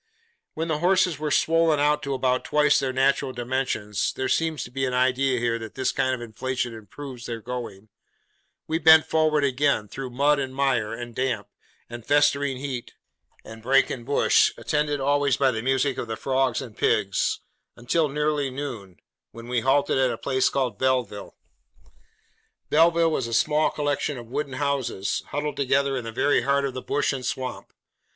When the horses were swollen out to about twice their natural dimensions (there seems to be an idea here, that this kind of inflation improves their going), we went forward again, through mud and mire, and damp, and festering heat, and brake and bush, attended always by the music of the frogs and pigs, until nearly noon, when we halted at a place called Belleville. Belleville was a small collection of wooden houses, huddled together in the very heart of the bush and swamp.